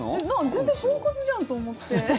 全然ポンコツじゃんと思って。